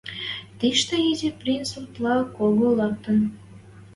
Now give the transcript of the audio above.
Тиштӹ Изи принц утла кого лӓктӹн.